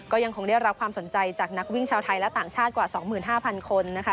ก็ยังคงได้รับความสนใจจากนักวิ่งชาวไทยและต่างชาติกว่า๒๕๐๐คนนะคะ